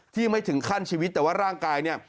ไม่ถึงขั้นชีวิตแต่ว่าร่างกายเนี่ย